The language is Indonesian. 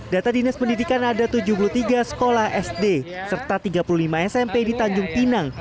data dinas pendidikan ada tujuh puluh tiga sekolah sd serta tiga puluh lima smp di tanjung pinang